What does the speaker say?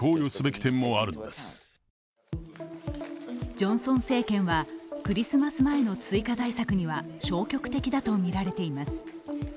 ジョンソン政権はクリスマス前の追加対策には消極的だとみられています。